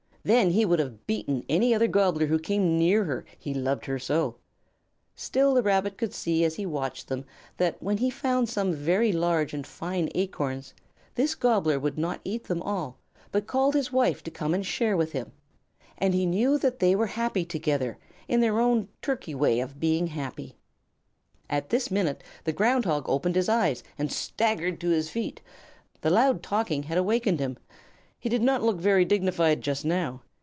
Then he would have beaten any other Gobbler who came near her, he loved her so; still, the Rabbit could see as he watched them that when he found some very large and fine acorns, this Gobbler would not eat them all, but called his wife to come and share with him; and he knew that they were happy together in their own Turkey way of being happy. At this minute the Ground Hog opened his eyes and staggered to his feet. The loud talking had awakened him. He did not look very dignified just now.